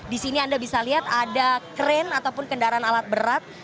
di sini anda bisa lihat ada kren ataupun kendaraan alat berat